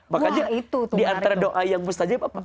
makanya diantara doa yang mustajab apa